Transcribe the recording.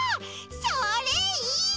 それいい！